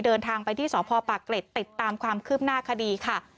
เดินทางไปที่สพปากเกร็ดติดตามความคืบหน้าคดีค่ะ